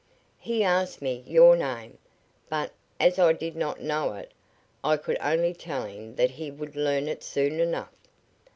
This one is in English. He asked me your name, but, as I did not know it, I could only tell him that he would learn it soon enough.